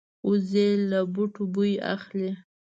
وزې له بوټو بوی اخلي